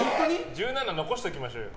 １７で残しておきましょうよ。